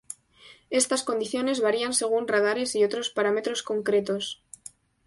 Estas condiciones varían según radares y otros parámetros concretos.